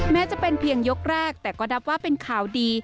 แม้จะเป็นเพียงยกแรกแต่ก็นับว่าเป็นข่าวดี